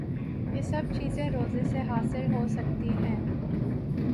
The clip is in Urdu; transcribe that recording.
یہ سب چیزیں روزے سے حاصل ہو سکتی ہیں